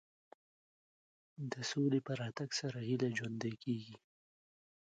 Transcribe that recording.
د سولې په راتګ سره هیله ژوندۍ کېږي.